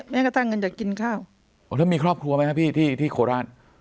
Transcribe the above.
แม้กระทั่งเงินจะกินข้าวแล้วมีครอบครัวไหมครับพี่ที่โคราช